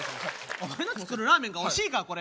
お前の作るラーメンがおいしいかこれ。